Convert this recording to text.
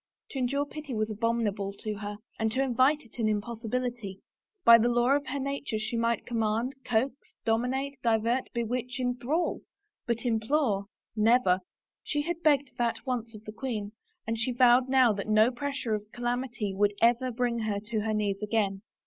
To endure pity was abominable to her, and to invite it an impossibility. By the law of her nature she might command, coax, domi nate, divert, bewitch, enthrall; but implore — never! She had begged that once of the queen and she vowed now that no pressure of calamity would ever bring her to her knees again.